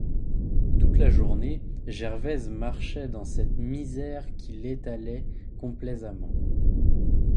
Toute la journée, Gervaise marchait dans cette misère qu'il étalait complaisamment.